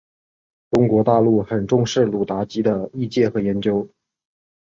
中国大陆很重视鲁达基的译介和研究。